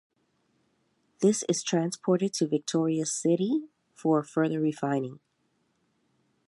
This is transported to Victorias City for further refining.